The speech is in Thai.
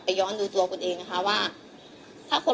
พี่ลองคิดดูสิที่พี่ไปลงกันที่ทุกคนพูด